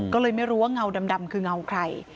ก็เลยไม่รู้ว่าเงาดำคือเงาใคร